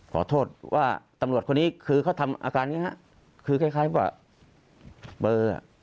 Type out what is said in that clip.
ขอโทษว่าตำรวจคนนี้คือเขาทำอาการนี้ฮะคือคล้ายคล้ายว่าเบอร์อ่ะ